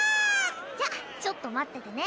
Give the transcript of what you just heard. じゃちょっと待っててね。